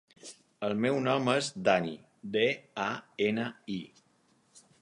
El meu nom és Dani: de, a, ena, i.